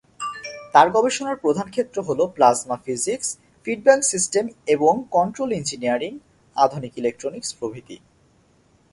তার গবেষণার প্রধান ক্ষেত্র হলো- প্লাজমা ফিজিক্স, ফিডব্যাক সিস্টেম এবং কন্ট্রোল ইঞ্জিনিয়ারিং, আধুনিক ইলেকট্রনিক্স প্রভৃতি।